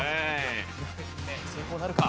成功なるか？